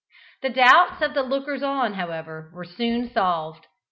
The doubts of the lookers on, however, were soon solved.